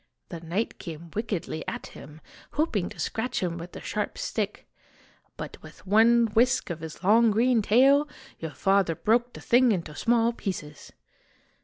The knight came wickedly at him, hoping to scratch him with the sharp stick ; but with one whisk of his long green tail, your father broke the thing into small pieces